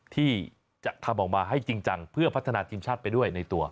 ที่จะทำออกมาให้จริงจังเพื่อพัฒนาทีมชาติไปด้วยในตัว